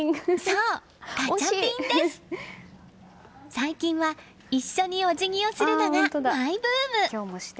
最近は一緒にお辞儀をするのがマイブーム。